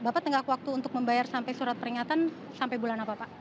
bapak tenggak waktu untuk membayar sampai surat peringatan sampai bulan apa pak